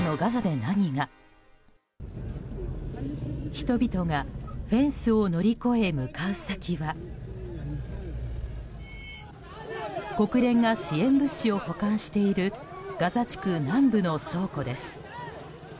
人々がフェンスを乗り越え向かう先は国連が支援物資を保管しているガザ地区南部の倉庫です。